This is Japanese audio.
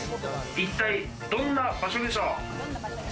一体どんな場所でしょう？